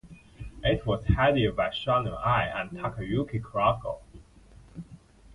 It was headed by Shun Arai and Takayuki Kawagoe.